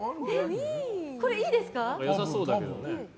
これ、いいですか？